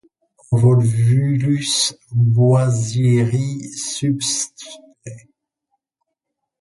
Convolvulus boissieri subsp.